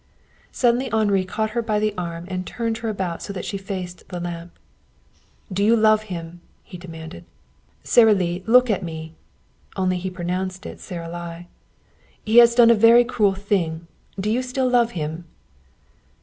Suddenly Henri caught her by the arm and turned her about so that she faced the lamp. "Do you love him?" he demanded. "Sara Lee, look at me!" Only he pronounced it Saralie. "He has done a very cruel thing. Do you still love him?"